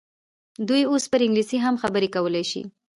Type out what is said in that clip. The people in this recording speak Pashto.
دوی اوس پر انګلیسي هم خبرې کولای شي.